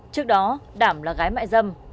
trước đó đảm là gái mẹ dâm